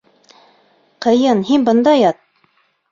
Ҡыйын, һин бында ят...